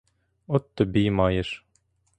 От тобі й маєш.